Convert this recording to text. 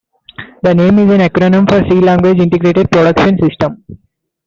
The name is an acronym for C Language Integrated Production System.